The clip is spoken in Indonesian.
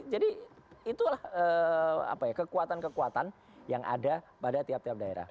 jadi itulah apa ya kekuatan kekuatan yang ada pada tiap tiap daerah